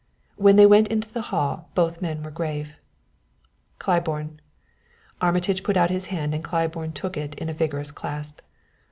When they went into the hall both men were grave. "Claiborne " Armitage put out his hand and Claiborne took it in a vigorous clasp.